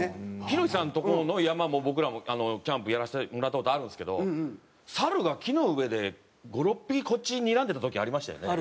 ヒロシさんのとこの山も僕らもキャンプやらせてもらった事あるんですけどサルが木の上で５６匹こっちにらんでた時ありましたよね？